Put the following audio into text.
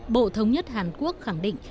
bộ thống nhất hàn quốc khẳng định